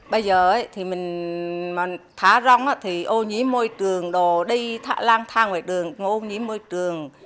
bây giờ mình thả rông thì ô nhí môi trường đồ đi lang thang ngoài đường ô nhí môi trường